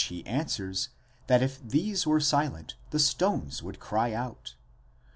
~ he answers, that if these were silent, the stones would cry out.